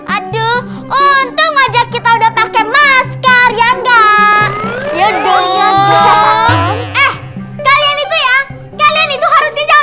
aduh untung aja kita udah pakai masker ya enggak ya dong kalian itu ya kalian itu harusnya jangan